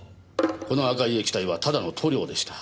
この赤い液体はただの塗料でした。